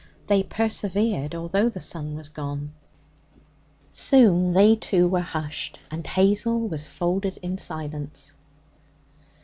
They persevered, although the sun was gone. Soon they, too, were hushed, and Hazel was folded in silence.